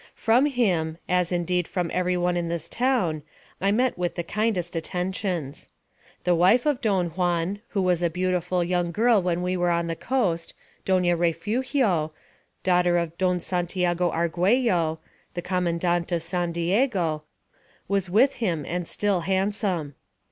From him, as indeed from every one in this town, I met with the kindest attentions. The wife of Don Juan, who was a beautiful young girl when we were on the coast, Doña Refugio, daughter of Don Santiago Argüello, the commandante of San Diego, was with him, and still handsome.